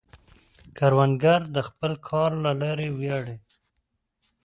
کروندګر د خپل کار له لارې ویاړي